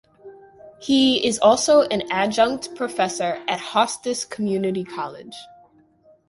He is also an adjunct professor at Hostos Community College.